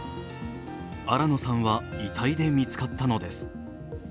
新野さんは遺体で見つかったのです。